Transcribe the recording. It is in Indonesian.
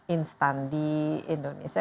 instan di indonesia